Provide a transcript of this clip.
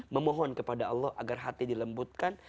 memohon kepada allah agar hati dilembutkan